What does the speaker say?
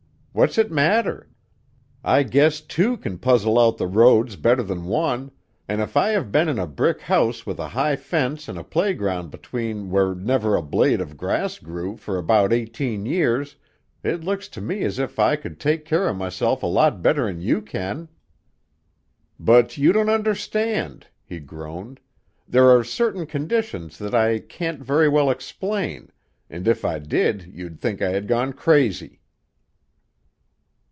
"What's it matter? I guess two kin puzzle out the roads better than one, an' if I have been in a brick house with a high fence an' a playground between where never a blade of grass grew, for about eighteen years, it looks to me as if I could take care of myself a lot better 'n you kin!" "But you don't understand!" he groaned. "There are certain conditions that I can't very well explain, and if I did you'd think I had gone crazy."